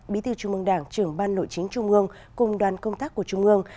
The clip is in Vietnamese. bí tư trung ương đảng trưởng ban nội chính trung ương cùng đoàn công tác của trung ương